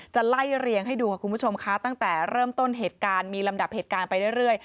ไล่เรียงให้ดูค่ะคุณผู้ชมคะตั้งแต่เริ่มต้นเหตุการณ์มีลำดับเหตุการณ์ไปเรื่อย